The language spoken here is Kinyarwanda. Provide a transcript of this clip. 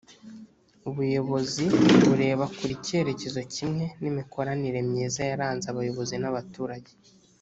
Ubuyobozi bureba kure icyerekezo kimwe n imikoranire myiza yaranze abayobozi n abaturage